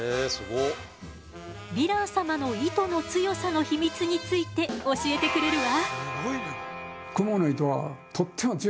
ヴィラン様の糸の強さの秘密について教えてくれるわ。